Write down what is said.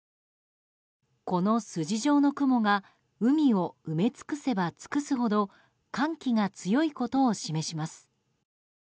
この、筋状の雲が海を埋め尽くせば尽くすほど寒気が強いことを示します。